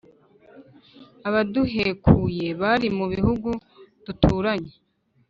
abaduhekuye bari mu bihugu duturanye